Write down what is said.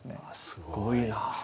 すごいな。